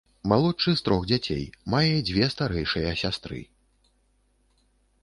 Малодшы з трох дзяцей, мае дзве старэйшыя сястры.